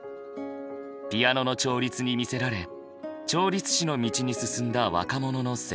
ピアノの調律に魅せられ調律師の道に進んだ若者の成長物語。